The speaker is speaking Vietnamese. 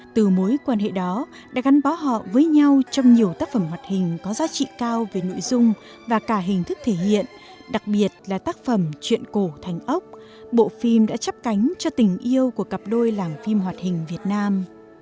từ mối quan hệ đó đã gắn bó họ với nhau trong nhiều tác phẩm hoạt hình có giá trị cao về nội dung và cả hình thức thể hiện đặc biệt là tác phẩm chuyện cổ thành ốc bộ phim đã chấp cánh cho tình yêu của cặp đôi làm phim hoạt hình việt nam